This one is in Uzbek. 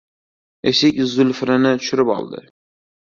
Eshik zulfinini tushirib oldi.